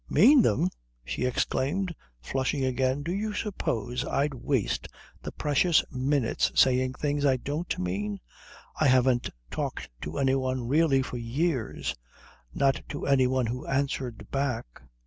"Mean them?" she exclaimed, flushing again. "Do you suppose I'd waste the precious minutes saying things I don't mean? I haven't talked to any one really for years not to any one who answered back.